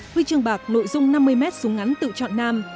huy chương bạc nội dung năm mươi m súng ngắn tự chọn nam